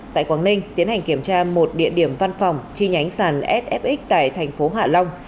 tại quảng ninh tiến hành kiểm tra một địa điểm văn phòng chi nhánh sàn sfxx tại thành phố hạ long